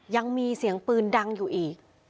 ยังมีเสียงปืนดังอยู่อีก